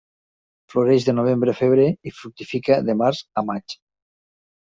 Floreix de novembre a febrer i fructifica de març a maig.